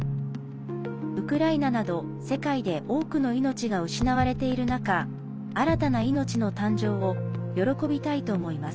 ウクライナなど世界で多くの命が失われている中新たな命の誕生を喜びたいと思います。